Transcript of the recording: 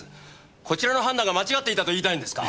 こちらの判断が間違っていたと言いたいんですか？